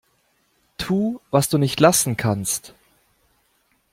Tu, was du nicht lassen kannst.